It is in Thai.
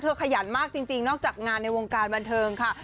ขยันมากจริงนอกจากงานในวงการบันเทิงค่ะ